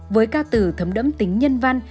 với ca từ thấm đẫm tính nhân văn